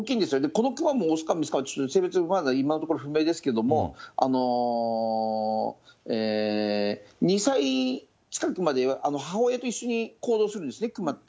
この熊も雄か雌か、性別、まだ今のところ不明ですけれども、２歳近くまでは母親と一緒に行動するんですね、熊って。